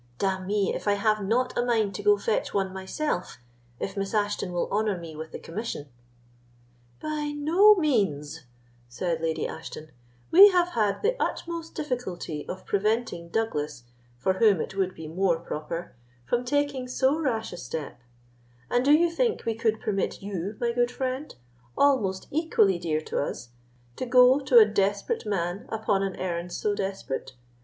D—n me, if I have not a mind to go fetch one myself, if Miss Ashton will honour me with the commission." "By no means," said Lady Ashton; "we have had the utmost difficulty of preventing Douglas, for whom it would be more proper, from taking so rash a step; and do you think we could permit you, my good friend, almost equally dear to us, to go to a desperate man upon an errand so desperate?